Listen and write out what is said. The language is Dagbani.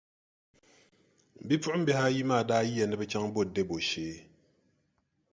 Bipuɣimbihi ayi maa daa yiya ni bɛ chaŋ m-bo Debo shee.